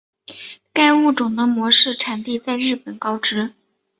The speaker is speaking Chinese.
该物种的模式产地在日本高知。